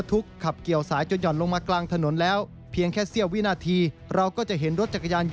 ถ้าพวกยานทดล้วนลงมาทางหมอ